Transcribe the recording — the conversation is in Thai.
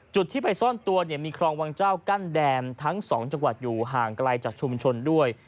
จุดที่ไปซ่อนตัวเนี่ยมีคลองวังเจ้ากั้นแดมทั้ง๒จังหวัดอยู่ห่างไกลจากชุมชนด้วย